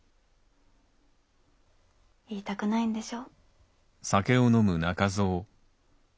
言いたくないんでしょ？